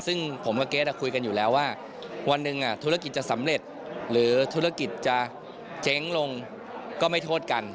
ซึ่งผมกับเกรทคุยกันอยู่แล้วว่าวันหนึ่งธุรกิจจะสำเร็จหรือธุรกิจจะเจ๊งลงก็ไม่โทษกัน